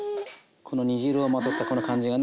この煮汁をまとったこの感じがね